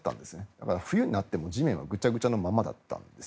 だから、冬になっても地面はぐちゃぐちゃのままだったんです。